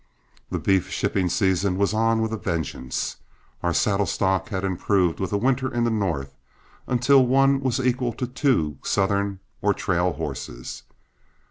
The beef shipping season was on with a vengeance. Our saddle stock had improved with a winter in the North, until one was equal to two Southern or trail horses.